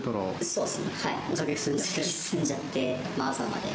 そうです。